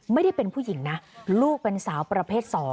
ไม่ได้เป็นผู้หญิงนะลูกเป็นสาวประเภท๒